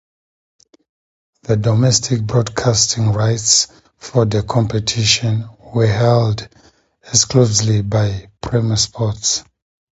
The domestic broadcasting rights for the competition were held exclusively by Premier Sports.